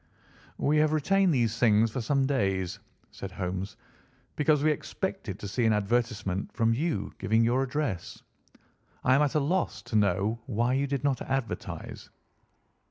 "We have retained these things for some days," said Holmes, "because we expected to see an advertisement from you giving your address. I am at a loss to know now why you did not advertise."